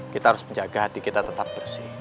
kita harus menjaga hati kita tetap bersih